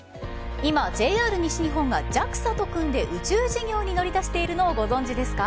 今、ＪＲ西日本がＪＡＸＡと組んで宇宙事業に乗り出しているのをご存じですか？